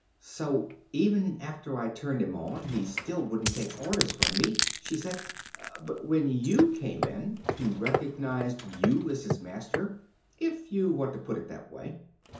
"So, even after I turned him on, he still wouldn't take orders from me," she said. "But when you came in, he recognized you as his master." "If you want to put it that way."